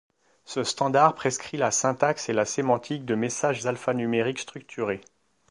Ce standard prescrit la syntaxe et la sémantique de messages alphanumériques structurés.